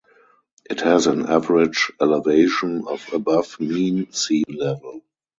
It has an average elevation of above mean sea level.